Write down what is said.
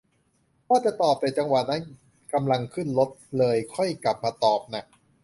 ว่าจะตอบ แต่จังหวะนั้นกำลังขึ้นรถ เลยค่อยกลับมาตอบน่ะ